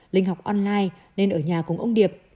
linh học online nên ở nhà cùng ông điệp